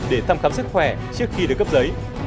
để thăm khám sức khỏe trước khi được cấp giấy